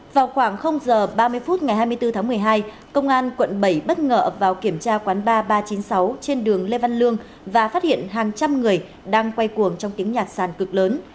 vào khoảng h ba mươi phút ngày hai mươi bốn tháng một mươi hai công an quận bảy bất ngờ ập vào kiểm tra quán ba ba trăm chín mươi sáu trên đường lê văn lương và phát hiện hàng trăm người đang quay cuồng trong tiếng nhạc sàn cực lớn